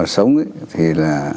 sống thì là